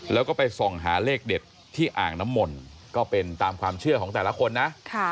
แล้วก็ไปส่องหาเลขเด็ดที่อ่างน้ำมนต์ก็เป็นตามความเชื่อของแต่ละคนนะ